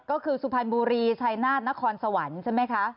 ก็คือสุพรรณบุรีชายนาฏนครสวรรค์ใช่ไหมคะ